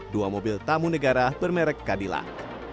dua mobil tamu negara bermerek kadilan